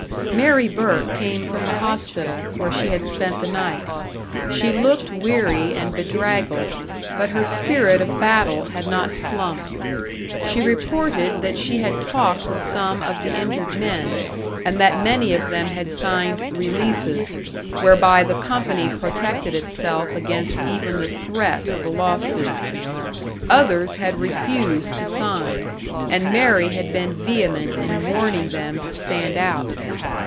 Mary Burke came from the hospital, where she had spent the night. She looked weary and bedraggled, but her spirit of battle had not slumped. She reported that she had talked with some of the injured men, and that many of them had signed "releases," whereby the company protected itself against even the threat of a lawsuit. Others had refused to sign, and Mary had been vehement in warning them to stand out.